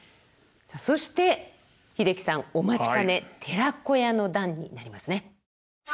そして英樹さんお待ちかね「寺子屋の段」になりますね。